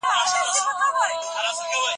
علم د ټولو انسانانو لپاره عام او یوشان دی.